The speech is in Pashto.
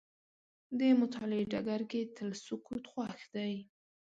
د مطالعې ډګر کې تل سکوت خوښ دی.